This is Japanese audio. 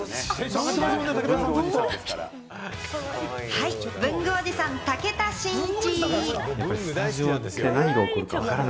はい、文具おじさん・武田真一。